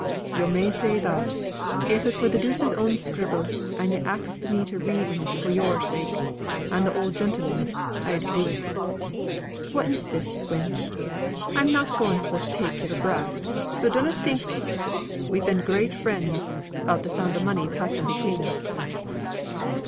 "Yo' may say that. If it were the deuce's own scribble, and yo' axed me to read in it for yo'r sake and the oud gentleman's, I'd do it. Whatten's this, wench! I'm not going for to take yo'r brass, so dunnot think it. We've been great friends, 'bout the sound o' money passing between us."